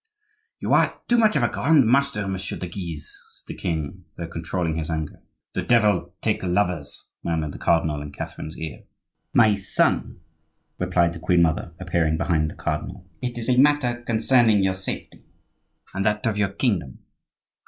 "You are too much of a grand master, Monsieur de Guise," said the king, though controlling his anger. "The devil take lovers," murmured the cardinal in Catherine's ear. "My son," said the queen mother, appearing behind the cardinal; "it is a matter concerning your safety and that of your kingdom."